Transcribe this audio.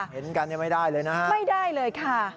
เห็นกันยังไม่ได้เลยนะฮะไม่ได้เลยค่ะ